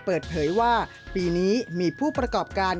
เปิดเผยว่าปีนี้มีผู้ประกอบการ